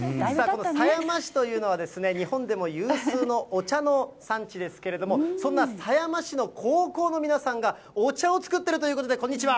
狭山市というのは日本でも有数のお茶の産地ですけれども、そんな狭山市の高校の皆さんが、お茶を作っているということで、こんにちは。